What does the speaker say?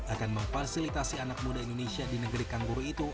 akan memfasilitasi anak muda indonesia di negeri kangguru itu